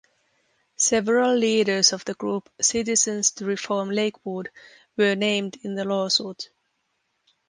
Several leaders of the group "Citizens to Reform Lakewood" were named in the lawsuit.